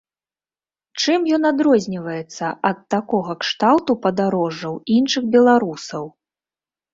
Чым ён адрозніваецца ад такога кшталту падарожжаў іншых беларусаў?